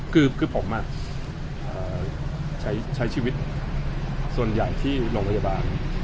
คือผมใช้ชีวิตส่วนใหญ่ที่โรงพยาบาล